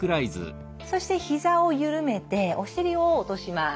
そしてひざを緩めてお尻を落とします。